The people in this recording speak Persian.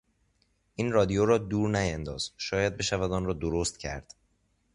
این رادیو را دور نیانداز شاید بشود آن را درست کرد.